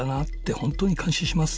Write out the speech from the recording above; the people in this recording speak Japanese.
本当に感心します。